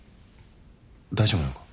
大丈夫なのか？